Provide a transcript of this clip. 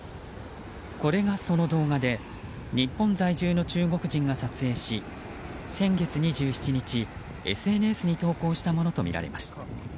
これが、その動画で日本在住の中国人が撮影し先月２７日、ＳＮＳに投稿したものとみられます。